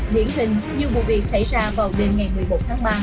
điển hình như vụ việc xảy ra vào đêm ngày một mươi một tháng ba